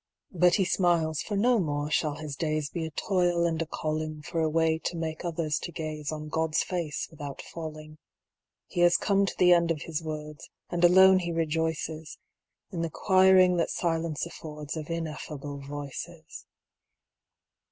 But he smiles, for no more shall his days Be a toil and a calling For a way to make others to gaze On God's face without falling. He has come to the end of his words, And alone he rejoices In the choiring that silence affords Of ineffable voices.